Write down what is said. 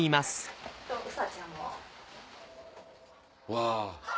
うわ。